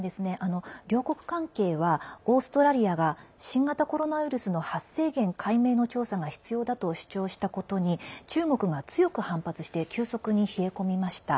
両国関係は新型コロナウイルスの発生源解明の調査が必要だとオーストラリアが主張したことに中国が強く反発して急速に冷え込みました。